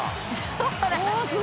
そうなんです。